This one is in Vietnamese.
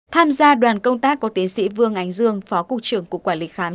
tham gia đoàn công tác của tiến sĩ vương ánh dương phó cục trưởng cục quản lịch khám